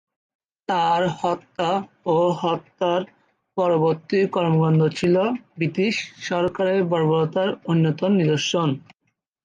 তার হত্যা ও হত্যা পরবর্তী কর্মকাণ্ড ছিল ব্রিটিশ সরকারের বর্বরতার অন্যতম নিদর্শন।